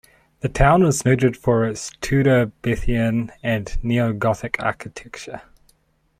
The town is noted for its Tudorbethan and neo-gothic architecture.